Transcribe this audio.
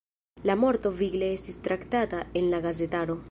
La morto vigle estis traktata en la gazetaro.